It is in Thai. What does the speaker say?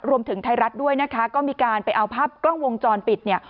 ไทยรัฐด้วยนะคะก็มีการไปเอาภาพกล้องวงจรปิดเนี่ย